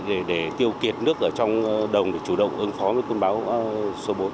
để tiêu kiệt nước ở trong đồng để chủ động ứng phó với cơn bão số bốn